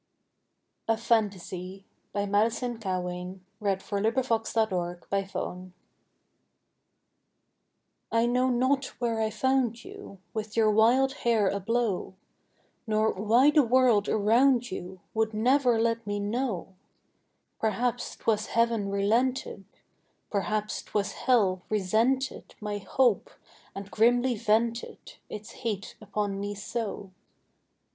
t he who smiled beneath Had the face of Love not Death. A PHANTASY I know not where I found you With your wild hair a blow, Nor why the world around you Would never let me know: Perhaps 'twas Heaven relented; Perhaps 'twas Hell resented My hope, and grimly vented Its hate upon me so.